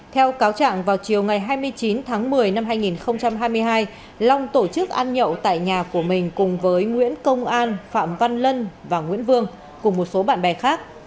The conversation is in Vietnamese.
theo cáo trạng vào chiều ngày hai mươi chín tháng một mươi năm hai nghìn hai mươi hai long tổ chức ăn nhậu tại nhà của mình cùng với nguyễn công an phạm văn lân và nguyễn vương cùng một số bạn bè khác